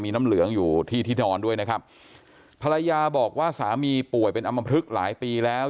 น้ำเหลืองอยู่ที่ที่นอนด้วยนะครับภรรยาบอกว่าสามีป่วยเป็นอำมพลึกหลายปีแล้ว